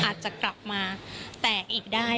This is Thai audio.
อาจจะกลับมาแตกอีกได้